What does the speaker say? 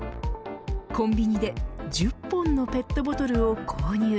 コンビニで１０本のペットボトルを購入。